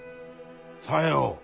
さよう。